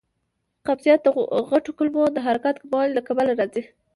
قبضیت د غټو کولمو د حرکاتو کموالي له کبله راځي.